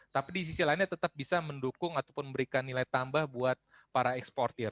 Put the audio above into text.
tapi di sisi lainnya tetap bisa mendukung ataupun memberikan nilai tambah buat para eksportir